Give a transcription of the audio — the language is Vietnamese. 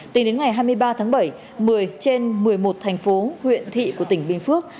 tính đến ngày hai mươi ba tháng bảy một mươi trên một mươi một thành phố huyện thị của tỉnh bình phước